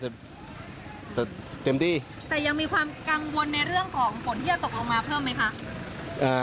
แต่เต็มที่แต่ยังมีความกังวลในเรื่องของฝนที่จะตกลงมาเพิ่มไหมคะ